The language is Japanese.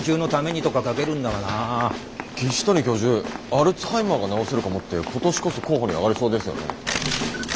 アルツハイマーが治せるかもって今年こそ候補に挙がりそうですよね。